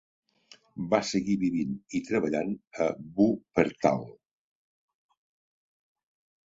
Va seguir vivint i treballant a Wuppertal.